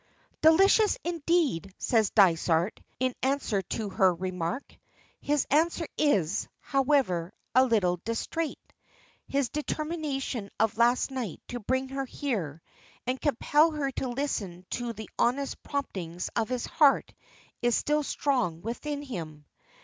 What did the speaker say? "Delicious indeed!" says Dysart, in answer to her remark. His answer is, however, a little distrait. His determination of last night to bring her here, and compel her to listen to the honest promptings of his heart is still strong within him.